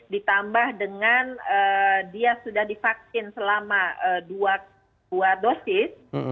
ditambah dengan dia sudah divaksin selama dua dosis